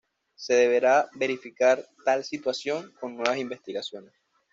Se deberá verificar tal situación con nuevas investigaciones.